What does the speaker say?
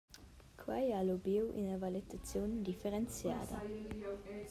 Quei ha lubiu ina valetaziun differenziada.